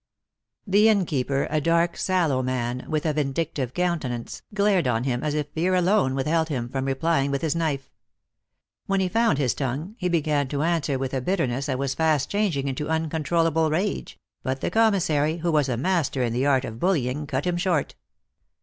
The innkeeper, a dark, sallow man, with a vindic tive countenance, glared on him as if fear alone with held him from replying with his knife. When he found his tongue, he began to answer with a bitter ness that was fast changing into uncontrollable rage ; but the commissary, who was a master in the art of bullying, cut him short.